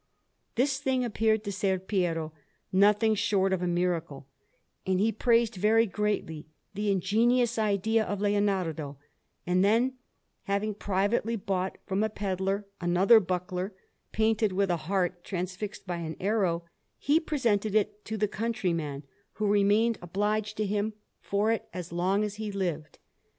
This thing appeared to Ser Piero nothing short of a miracle, and he praised very greatly the ingenious idea of Leonardo; and then, having privately bought from a pedlar another buckler, painted with a heart transfixed by an arrow, he presented it to the countryman, who remained obliged to him for it as long as he lived.